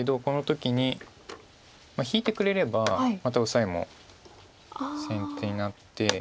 この時に引いてくれればまたオサエも先手になって。